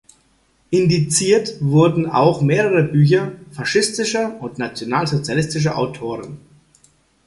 Indiziert wurden auch mehrere Bücher faschistischer und nationalsozialistischer Autoren.